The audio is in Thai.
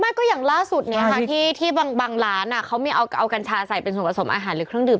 ไม่ก็อย่างล่าสุดเนี่ยค่ะที่บางร้านเขาเอากัญชาใส่เป็นส่วนผสมอาหารหรือเครื่องดื